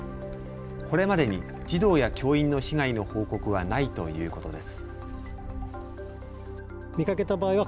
これまでに児童や教員の被害の報告はないということです。